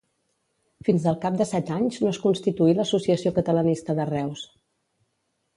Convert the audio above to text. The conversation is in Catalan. Fins al cap de set anys no es constituí l'Associació Catalanista de Reus.